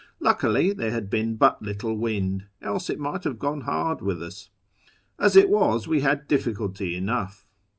Luckily there had been but little wind, else it might have gone hard with us. As it was, we had difficulty enough.